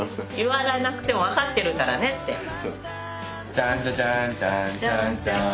ちゃんちゃちゃんちゃんちゃんちゃん。